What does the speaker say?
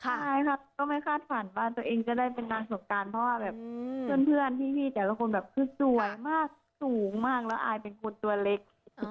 ใช่ครับก็ไม่คาดฝันว่าตัวเองจะได้เป็นนางสงการเพราะว่าแบบเพื่อนพี่แต่ละคนแบบคือสวยมากสูงมากแล้วอายเป็นคนตัวเล็ก